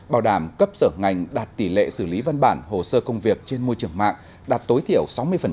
bảo đảm cấp sở ngành đạt tỷ lệ xử lý văn bản hồ sơ công việc trên môi trường mạng đạt tối thiểu sáu mươi